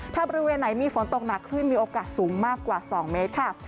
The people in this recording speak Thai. ถ้าบริเวณไหนมีฝนตกหนักคลื่นมีโอกาสสูงมากกว่า๒เมตรค่ะ